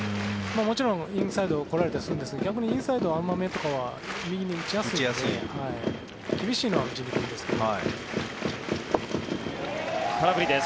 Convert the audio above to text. もちろんインサイド来られたりするんですが逆にインサイドの甘めとかは右に打ちやすいので厳しいのは打ちにくいんですけど。